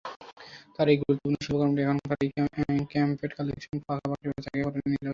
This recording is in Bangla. তার এই গুরুত্বপূর্ণ শিল্পকর্মটি এখানকার এই ক্ল্যাম্পেট কালেকশনে পাকাপাকিভাবে জায়গা করে নিলো কীভাবে?